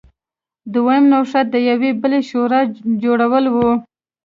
دویم نوښت د یوې بلې شورا جوړول و.